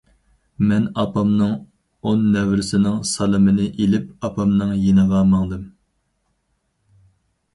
مەن ئاپامنىڭ ئون نەۋرىسىنىڭ سالىمىنى ئېلىپ ئاپامنىڭ يېنىغا ماڭدىم.